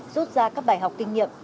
rút ra các bài học kinh nghiệm